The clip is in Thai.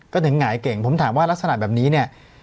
ก็ถึงหงายเก่งผมถามว่ารักษณะแบบนี้เนี่ย